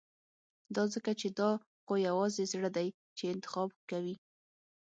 دا ځکه چې دا خو يوازې زړه دی چې انتخاب کوي.